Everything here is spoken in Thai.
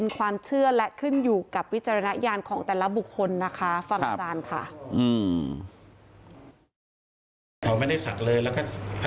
ความเชื่อและขึ้นอยู่กับวิจารณญาณของแต่ละบุคคลนะคะฟังอาจารย์ค่ะ